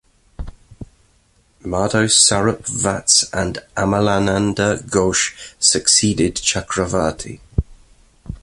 Madho Sarup Vats and Amalananda Ghosh succeeded Chakravarti.